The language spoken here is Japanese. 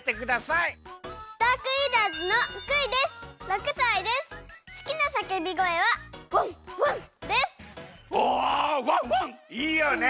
いいよね。